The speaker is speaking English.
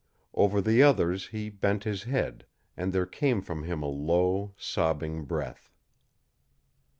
Over the others he bent his head, and there came from him a low, sobbing breath.